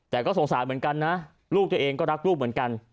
แต่ก็สงสารเหมือนกันนะลูกตัวเองก็รักลูกเหมือนกัน